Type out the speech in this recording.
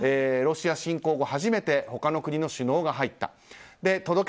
ロシア侵攻後初めて他の国の首脳が入ったと。